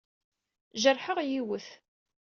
Jerḥeɣ yiwet.